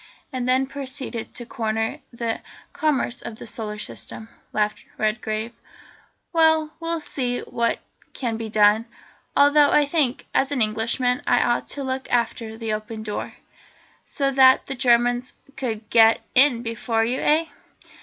"And then proceeded to corner the commerce of the Solar System," laughed Redgrave. "Well, we'll see what can be done. Although I think, as an Englishman, I ought to look after the Open Door." "So that the Germans could get in before you, eh?